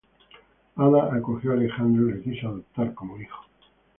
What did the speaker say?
Ada acogió a Alejandro y le quiso adoptar como hijo.